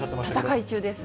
戦い中です。